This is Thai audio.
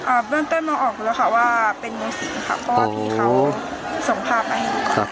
อ่าเริ่มต้นมองออกเลยค่ะว่าเป็นงูสิงค่ะเพราะว่าพี่เขาส่งภาพมาให้งูค่ะ